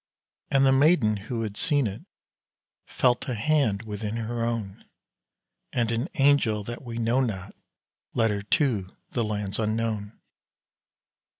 And the maiden who had seen it felt a hand within her own, And an angel that we know not led her to the lands unknown.